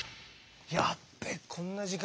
やっべこんな時間だ！